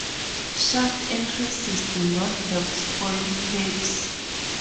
Shaft entrances do not have spoil heaps.